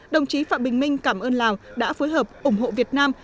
đồng chí phạm bình minh cảm ơn lào đã phối hợp ủng hộ việt nam